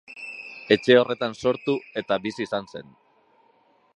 Etxe horretan sortu eta bizi izan zen.